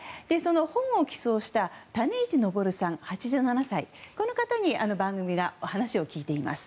本を寄贈した種市登さん、８７歳この方に番組がお話を聞いています。